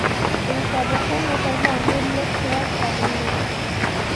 د مسابقو موټرونه او نور لوکس شیان شامل وو.